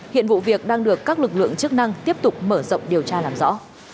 hiện vụ việc đang được các lực lượng chức năng tiếp tục mở rộng điều tra làm rõ